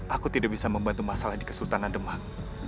aku tidak bisa membantu masalah di kesultanan demak